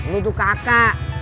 lu itu kakak